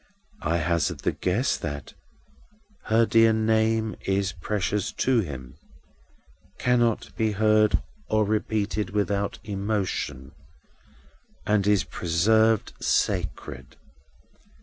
I hazard the guess that her dear name is precious to him, cannot be heard or repeated without emotion, and is preserved sacred.